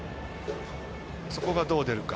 そこがどう出るか。